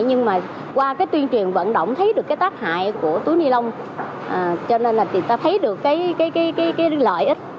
nhưng mà qua cái tuyên truyền vận động thấy được cái tác hại của túi ni lông cho nên là ta thấy được cái lợi ích